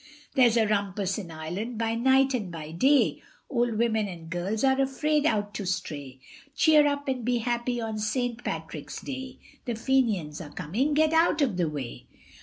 There's a rumpus in Ireland by night and by day, Old women and girls are afraid out to stray; Cheer up and be happy on St. Patrick's day, The Fenians are coming, get out of the way!